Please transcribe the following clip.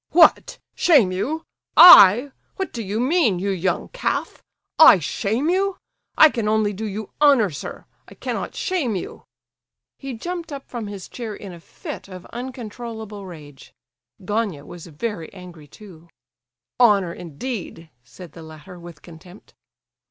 "What—shame you? I?—what do you mean, you young calf? I shame you? I can only do you honour, sir; I cannot shame you." He jumped up from his chair in a fit of uncontrollable rage. Gania was very angry too. "Honour, indeed!" said the latter, with contempt.